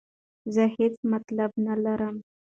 زه هیڅ مطلب نه لرم.